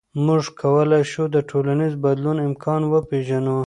موږ کولی شو د ټولنیز بدلون امکان وپېژنو.